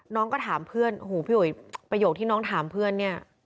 น้องก็ถามเพื่อนโอ้โหพี่อุ๋ยประโยคที่น้องถามเพื่อนเนี่ย